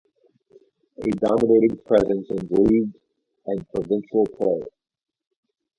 A dominating presence in league and provincial play.